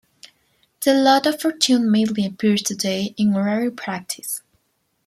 The Lot of Fortune mainly appears today in horary practice.